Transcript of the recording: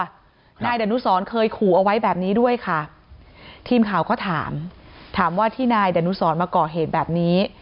นายดนุสรเคยขู่เอาไว้แบบนี้ด้วยค่ะทีมข่าวก็ถามถามว่าที่นายดานุสรมาก่อเหตุแบบนี้